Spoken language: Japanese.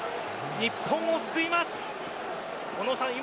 日本を救います！